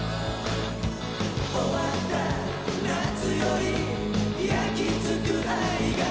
「終わった夏より灼きつく愛が」